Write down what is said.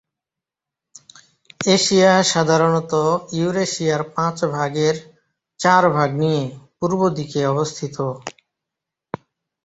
Asia সাধারণত ইউরেশিয়ার পাঁচ ভাগের চার ভাগ নিয়ে পূর্ব দিকে অবস্থিত।